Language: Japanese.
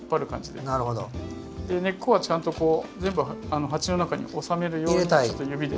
根っこはちゃんと全部鉢の中に収めるように指で。